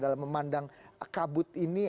dalam memandang kabut ini